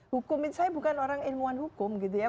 hukumin saya bukan orang ilmuwan hukum gitu ya